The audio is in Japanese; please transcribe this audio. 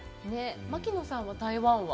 槙野さんは台湾は？